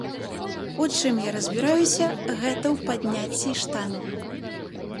У чым я разбіраюся, гэта ў падняцці штангі.